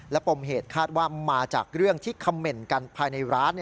ปมเหตุคาดว่ามาจากเรื่องที่คำเหม็นกันภายในร้าน